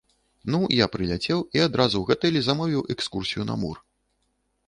Ну, я прыляцеў і адразу ў гатэлі замовіў экскурсію на мур!